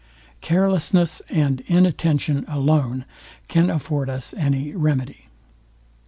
Carelessness and in attention alone can afford us any remedy.